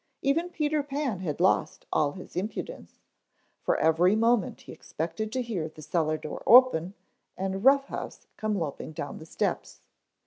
Even Peter Pan had lost all his impudence, for every moment he expected to hear the cellar door open and Rough House come loping down the steps.